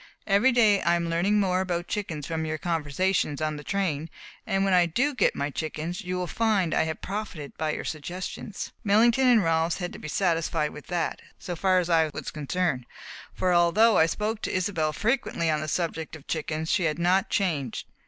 Every day I am learning more about chickens from your conversations on the train, and when I do get my chickens you will find I have profited by your suggestions." Millington and Rolfs had to be satisfied with that, so far as I was concerned, for although I spoke to Isobel frequently on the subject of chickens she had not changed.